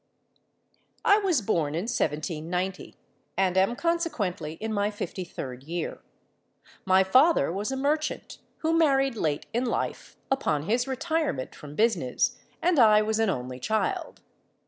"I was born in 1790, and am consequently in my fifty third year. My father was a merchant, who married late in life, upon his retirement from business; and I was an only child.